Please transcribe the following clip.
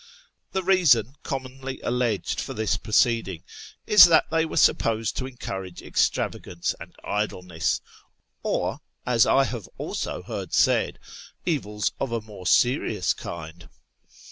The reason commonly alleged for this proceeding is that they were supposed to encourage extravagance and idleness, or, as I have also heard said, evils of a more serious kind.